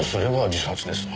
自殺ですな。